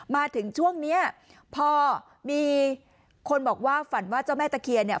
มาถึงช่วงเนี้ยพอมีคนบอกว่าฝันว่าเจ้าแม่ตะเคียนเนี่ย